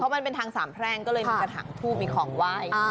มันเป็นทางสามแพร่งก็เลยมีกระถางทูบมีของไหว้